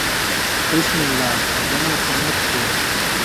”بسم اللہ“ بَنٶں سنت تھُو۔